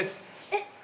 えっ。